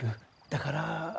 だから。